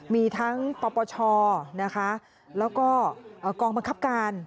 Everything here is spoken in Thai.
มีทั้งปชและกองมันคับการ